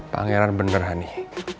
pangeran bener honey